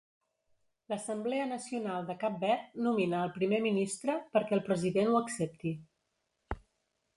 L'Assemblea Nacional de Cap Verd nomina al Primer Ministre, perquè el President ho accepti.